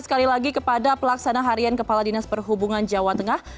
sekali lagi kepada pelaksana harian kepala dinas perhubungan jawa tengah